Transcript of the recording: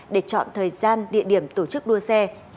để chọn thời gian địa điểm tổ chức đua xe